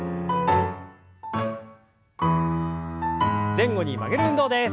前後に曲げる運動です。